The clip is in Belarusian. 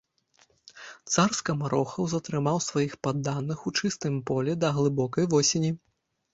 Цар скамарохаў затрымаў сваіх падданых у чыстым полі да глыбокай восені.